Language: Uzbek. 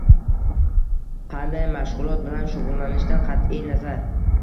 Qanday mashg‘ulot bilan shug‘ullanishidan qatʼiy nazar